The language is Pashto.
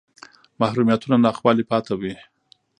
محرومیتونه ناخوالې پاتې وې